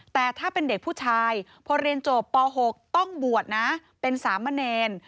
แต่ถ้าเป็นเด็กผู้ชายพอเรียนจบป๖ต้องบวชนะเป็นสามเณร